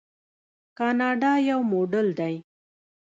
کاناډا یو موډل دی.